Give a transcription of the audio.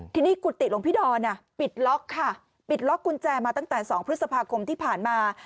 ทีนี้กุฏิหลวงพี่ดอนปิดล็อกค่ะปิดล็อกกุญแจมาตั้งแต่๒พฤษภาคมที่ผ่านมา